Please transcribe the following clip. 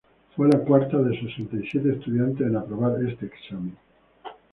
Fue la cuarta de sesenta y siete estudiantes en aprobar este examen.